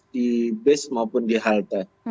di bus maupun di halte